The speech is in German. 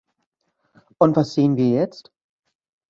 Und was sehen wir jetzt?